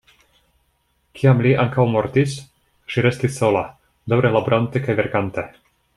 Kiam li ankaŭ mortis, ŝi restis sola, daŭre laborante kaj verkante.